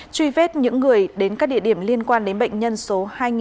truy vết những người đến các địa điểm liên quan đến bệnh nhân số hai chín trăm chín mươi tám